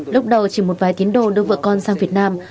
lúc đầu chỉ một vài tiến đồ đưa vợ con sang việt nam